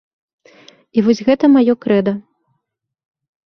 І вось гэта маё крэда.